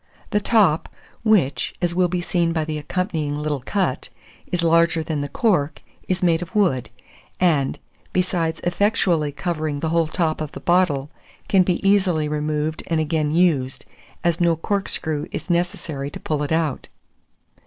The top, which, as will be seen by the accompanying little cut, is larger than the cork, is made of wood; and, besides effectually covering the whole top of the bottle, can be easily removed and again used, as no corkscrew is necessary to pull it out.